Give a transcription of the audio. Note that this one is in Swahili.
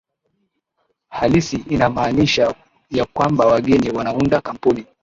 halisi inamaanisha ya kwamba wageni wanaunda kampuni